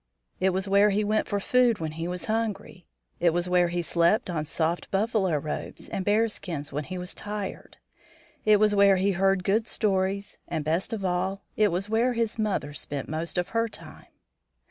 It was where he went for food when he was hungry; it was where he slept on soft buffalo robes and bear skins when he was tired; it was where he heard good stories, and, best of all, it was where his mother spent most of her time.